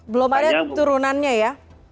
belum ada turunannya ya